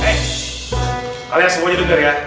hey kalian semua denger ya